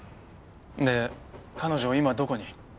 で彼女今どこに？